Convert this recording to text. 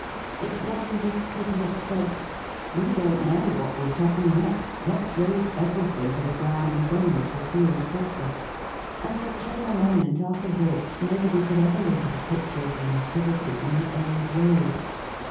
It was as if people had said: "We don't know what will topple next. Let's raze everything to the ground, and then we shall feel safer." And there came a moment after which no body could ever look at a picture of the Nativity in the old way.